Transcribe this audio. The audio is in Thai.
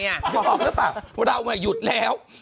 พร้อมหรือเปล่าเราหยุดแล้ว